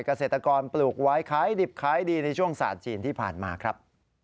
เกษตรกรปลูกไว้ขายดิบขายดีในช่วงศาสตร์จีนที่ผ่านมาครับ